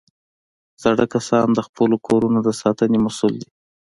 زاړه کسان د خپلو کورو د ساتنې مسؤل دي